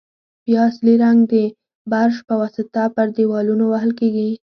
بیا اصلي رنګ د برش په واسطه پر دېوالونو وهل کیږي.